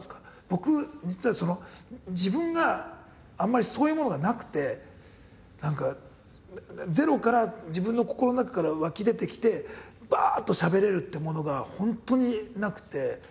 僕実は自分があんまりそういうものがなくて何かゼロから自分の心の中から湧き出てきてバッとしゃべれるってものが本当になくて。